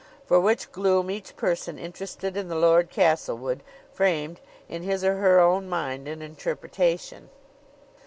For which gloom, each person interested in the Lord Castlewood, framed in his or her own mind an interpretation.